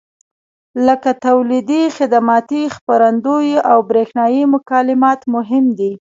لکه تولیدي، خدماتي، خپرندویي او برېښنایي مکالمات مهم دي.